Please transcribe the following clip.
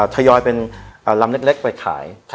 ทยอยเป็นลำเล็กไปขาย